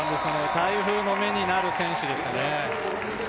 台風の目になる選手ですよね。